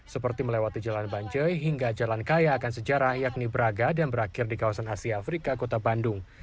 seperti melewati jalan banjoi hingga jalan kaya akan sejarah yakni braga dan berakhir di kawasan asia afrika kota bandung